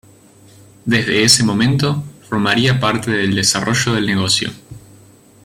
Desde ese momento, formaría parte del desarrollo del negocio.